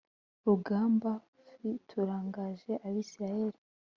Rugamba f turangaje abisirayeli